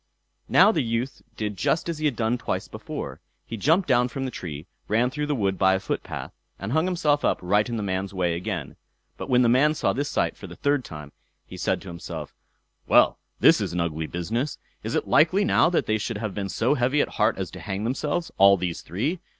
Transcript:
Now the youth did just as he had done twice before; he jumped down from the tree, ran through the wood by a footpath, and hung himself up right in the man's way again. But when the man saw this sight for the third time, he said to himself: "Well! this is an ugly business! Is it likely now that they should have been so heavy at heart as to hang themselves, all these three?